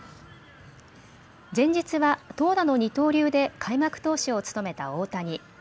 前日は投打の二刀流で開幕投手を務めた大谷。